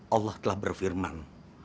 allah telah berfirman